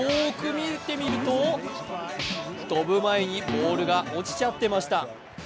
見てみると飛ぶ前にボールが落ちちゃってました。